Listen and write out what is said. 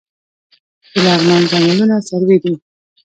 د لغمان ځنګلونه سروې دي